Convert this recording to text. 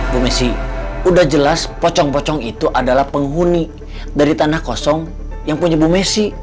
bu messi udah jelas pocong pocong itu adalah penghuni dari tanah kosong yang punya bu messi